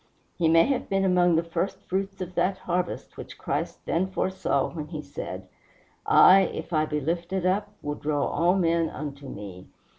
He may have been among the first fruits of that harvest which Christ then foresaw when he said, "I, if I be lifted up, will draw all men unto me."